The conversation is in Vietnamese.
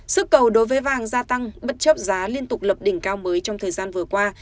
sức cầu đối với vàng gia tăng bất chấp giá liên tục lập đỉnh cao mới trong thời gian vừa qua